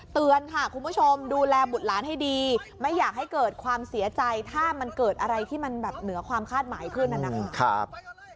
เตือนค่ะคุณผู้ชมดูแลบุตรหลานให้ดีไม่อยากให้เกิดความเสียใจถ้ามันเกิดอะไรที่มันแบบเหนือความคาดหมายขึ้นนะครับ